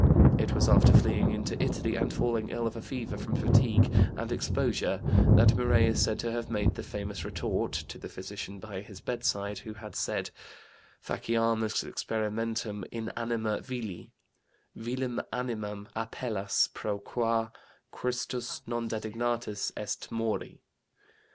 It was after fleeing into Italy and falling ill of a fever from fatigue and exposure that Muret is said to have made the famous retort (to the physician by his bedside who had said: "Faciamus experimentum in anima vili"): "Vilem animam appellas pro qua Christus non dedignatus est mori."